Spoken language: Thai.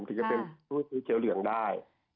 ถึงจะเป็นผู้ซื้อเจียวเหลืองได้